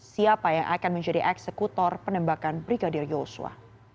siapa yang akan menjadi eksekutor penembakan brigadir yosua